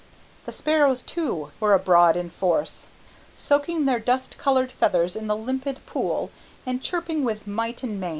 The sparrows, too, were abroad in force, soaking their dust coloured feathers in the limpid pool and chirping with might and main.